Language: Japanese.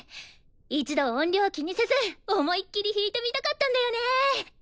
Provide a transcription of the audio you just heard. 一度音量気にせず思いっきり弾いてみたかったんだよね！